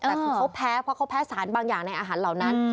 แต่คือเขาแพ้เพราะเขาแพ้สารบางอย่างในอาหารเหล่านั้น